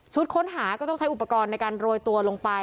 ค้นหาก็ต้องใช้อุปกรณ์ในการโรยตัวลงไป